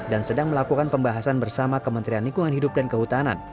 dan sedang melakukan pembahasan bersama kementerian lingkungan hidup dan kehutanan